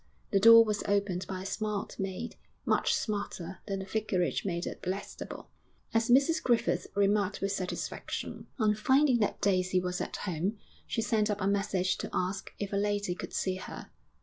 The door was opened by a smart maid much smarter than the Vicarage maid at Blackstable, as Mrs Griffith remarked with satisfaction. On finding that Daisy was at home, she sent up a message to ask if a lady could see her.